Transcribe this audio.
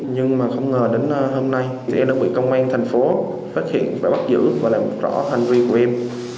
nhưng mà không ngờ đến hôm nay thì đã bị công an thành phố phát hiện và bắt giữ và làm rõ hành vi của em